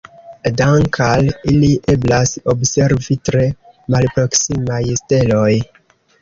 Dank'al ili eblas observi tre malproksimaj steloj.